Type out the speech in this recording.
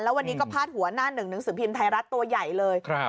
แล้ววันนี้ก็พาดหัวหน้าหนึ่งหนังสือพิมพ์ไทยรัฐตัวใหญ่เลย